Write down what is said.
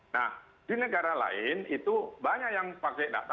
nah di negara lain itu banyak yang pakai data